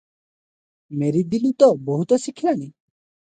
ମେରି ଦିଲୁ ତ ବହୁତ ଶିଖିଲାଣି ।